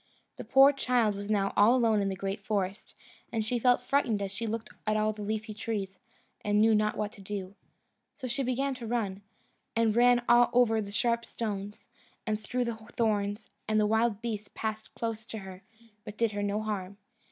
The poor child was now all alone in the great forest, and she felt frightened as she looked at all the leafy trees, and knew not what to do. So she began to run, and ran over the sharp stones, and through the thorns; and the wild beasts passed close to her, but did her no harm.